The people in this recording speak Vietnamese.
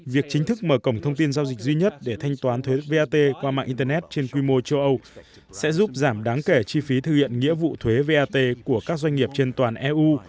việc chính thức mở cổng thông tin giao dịch duy nhất để thanh toán thuế vat qua mạng internet trên quy mô châu âu sẽ giúp giảm đáng kể chi phí thực hiện nghĩa vụ thuế vat của các doanh nghiệp trên toàn eu